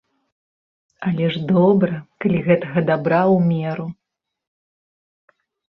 Але ж добра, калі гэтага дабра ў меру.